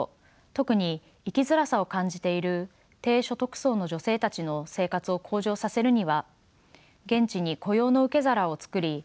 特に生きづらさを感じている低所得層の女性たちの生活を向上させるには現地に雇用の受け皿を作り